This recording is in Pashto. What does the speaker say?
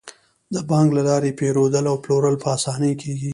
د بانک له لارې پيرودل او پلورل په اسانۍ کیږي.